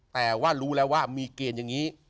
แต่ว่ารู้แล้วว่ามีเกณฑ์อย่างนี้